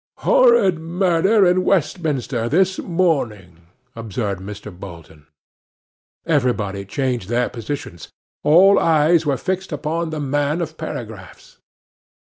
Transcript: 'Horrid murder in Westminster this morning,' observed Mr. Bolton. Everybody changed their positions. All eyes were fixed upon the man of paragraphs.